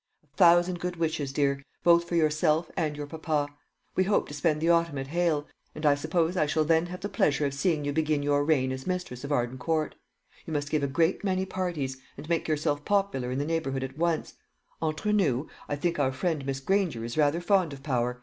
A thousand good wishes, dear, both for yourself and your papa. We hope to spend the autumn at Hale, and I suppose I shall then have the pleasure of seeing you begin your reign as mistress of Arden Court. You must give a great many parties, and make yourself popular in the neighbourhood at once. Entre nous, I think our friend Miss Granger is rather fond of power.